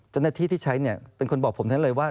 จนที่ที่ใช้เป็นคนบอกผมเลยว่า